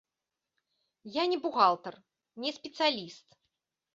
Я не бухгалтар, не спецыяліст.